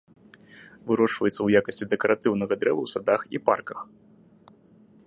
Вырошчваецца ў якасці дэкаратыўнага дрэва ў садах і парках.